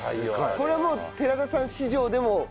これもう寺田さん史上でも？